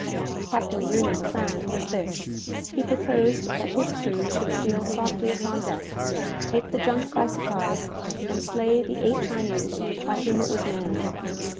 Captain Rooney's plan was this: he proposed that his crew should steal softly upon deck, take the junk by surprise, and slay the eight Chinese by whom it was manned.